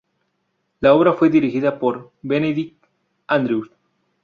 La obra fue dirigida por Benedict Andrews.